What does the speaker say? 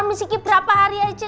ditinggalin si kipis berapa hari aja